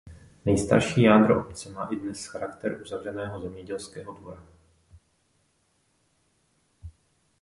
Nejstarší jádro obce má i dnes charakter uzavřeného zemědělského dvora.